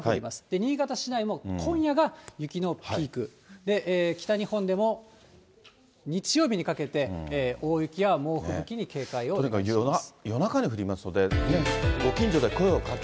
新潟市内も、今夜が雪のピークで、北日本でも、日曜日にかけて、大雪や猛吹雪に警戒をお願いします。